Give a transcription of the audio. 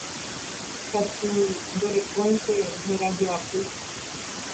katu ndorekóinte herajoapy